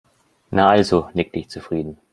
Na also, nickte ich zufrieden.